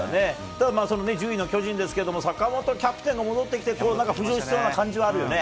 ただその順位の巨人ですけれども、坂本キャプテンが戻ってきて、なんか浮上しそうな感じはあるよね。